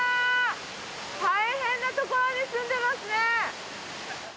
大変な所に住んでいますね。